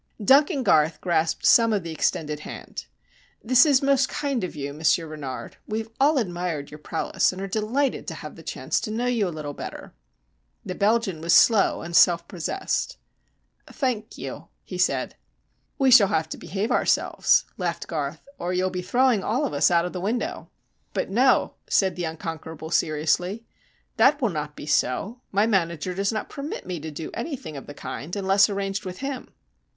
Duncan Garth grasped some of the extended hand. "This is most kind of you, Monsieur Renard. We have all admired your prowess, and are delighted to have the chance to know you a little better." The Belgian was slow and self possessed. "Thank you," he said. "We shall have to behave ourselves," laughed Garth, "or you'll be throwing all of us out of the window." "But no," said the Unconquerable, seriously. "That will not be so. My manager does not permit me to do anything of that kind, unless arranged with him."